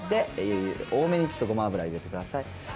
多めにちょっと、ごま油入れてください。